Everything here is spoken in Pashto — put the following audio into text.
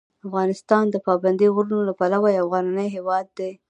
افغانستان د پابندي غرونو له پلوه یو غني هېواد دی.